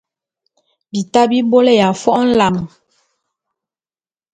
Bita bi bôlé ya fo’o nlam.